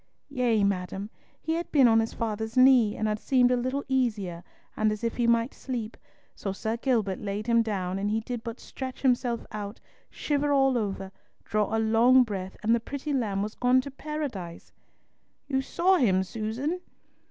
"Yea, madam. He had been on his father's knee, and had seemed a little easier, and as if he might sleep, so Sir Gilbert laid him down, and he did but stretch himself out, shiver all over, draw a long breath, and the pretty lamb was gone to Paradise!" "You saw him, Susan?"